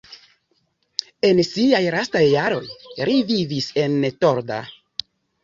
En siaj lastaj jaroj li vivis en Torda.